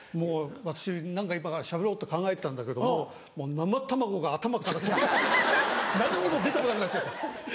私何か今からしゃべろうと考えてたんだけどももう「生卵」が頭から何にも出て来なくなっちゃった。